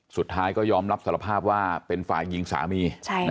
สุดท้ายก็ยอมรับสารภาพว่าเป็นฝ่ายยิงสามี